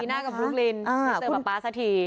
นี่หน้ากับลูกลินเสิร์ฟป๊าสักที